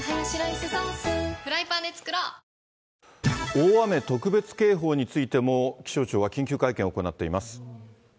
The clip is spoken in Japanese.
大雨特別警報についても、気象庁は緊急会見を行っています。